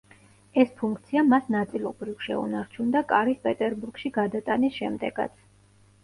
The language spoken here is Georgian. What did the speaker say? ეს ფუნქცია მას ნაწილობრივ შეუნარჩუნდა კარის პეტერბურგში გადატანის შემდეგაც.